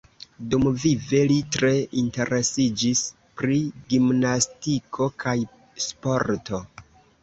Dumvive li tre interesiĝis pri gimnastiko kaj sporto.